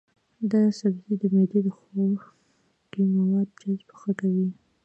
دا سبزی د معدې د خوړنکي موادو جذب ښه کوي.